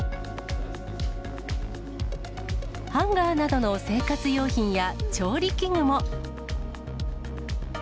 ハンガーなどの生活用品や調理器具も。